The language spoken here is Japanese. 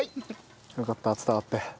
よかった伝わって。